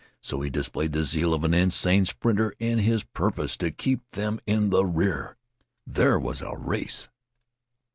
So he displayed the zeal of an insane sprinter in his purpose to keep them in the rear. There was a race.